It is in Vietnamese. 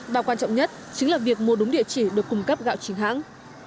và quan trọng nhất chính là việc mua đúng địa chỉ được cung cấp gạo chính hãng